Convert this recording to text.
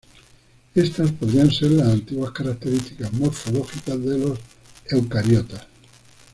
Estas podrían ser las antiguas características morfológicas de los eucariotas.